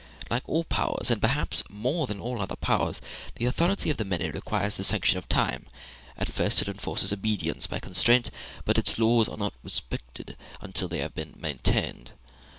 Like all other powers, and perhaps more than all other powers, the authority of the many requires the sanction of time; at first it enforces obedience by constraint, but its laws are not respected until they have long been maintained.